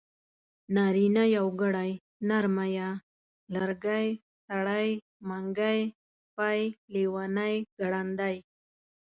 نارينه يوګړی ی لرګی سړی منګی سپی لېوانی ګړندی